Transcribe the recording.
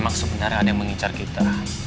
memang sebenarnya ada yang mengincar kita